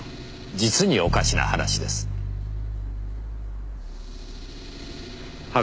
実におかしな話です。